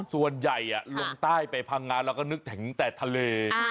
ส่วนใหญ่ลงใต้ไปพังงานเราก็นึกถึงแต่ทะเล